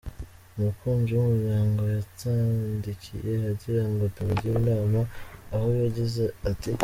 Umukunzi w’umuryango yatwandikiye agira ngo tumugire inama, aho yagize ati:.